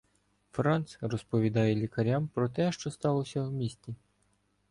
Франц розповідає лікарям про те, що сталося у місті.